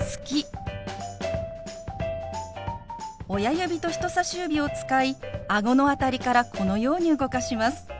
親指と人さし指を使いあごの辺りからこのように動かします。